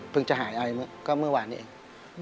เพิ่งจะหายอายก็เมื่อวานนี้เอง